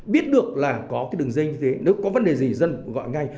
biết được là có cái đường dây như thế nếu có vấn đề gì dân gọi ngay